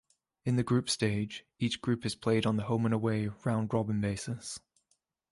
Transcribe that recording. In the group stage, each group is played on a home-and-away round-robin basis.